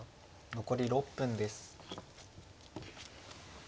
残り６分です。